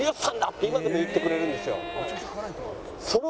って今でも言ってくれるんですよ。